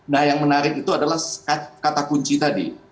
nah yang menarik itu adalah kata kunci tadi